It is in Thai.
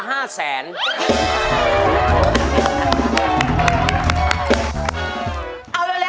เอาเร็วล้วนละเท่าไหร่